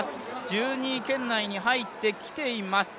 １２位圏内に入ってきています。